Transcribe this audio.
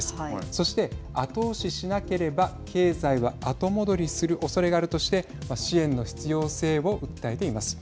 そして後押ししなければ経済は後戻りするおそれがあるとして支援の必要性を訴えています。